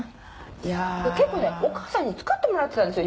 「いやあ」「結構ねお母さんに作ってもらってたんですよ